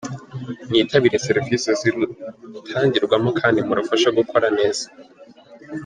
Mwitabire serivisi zirutangirwamo kandi murufashe gukora neza.